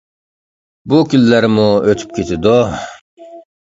بۇ كۈنلەرمۇ ئۆتۈپ كېتىدۇ.